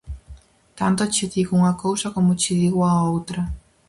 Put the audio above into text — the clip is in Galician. Tanto che digo unha cousa como che digo a outra.